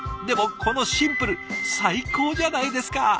でもこのシンプル最高じゃないですか！